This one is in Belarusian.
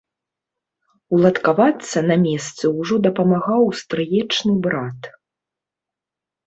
Уладкавацца на месцы ўжо дапамагаў стрыечны брат.